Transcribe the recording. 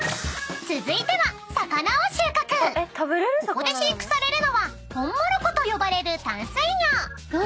［ここで飼育されるのはホンモロコと呼ばれる淡水魚］